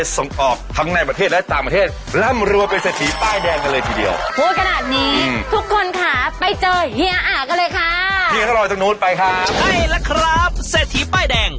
เอาละครับเศรษฐีป้ายแดง